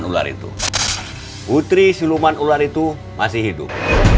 berarti dia masih hidup